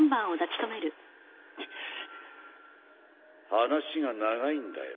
話が長いんだよ。